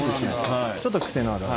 ちょっと癖のある。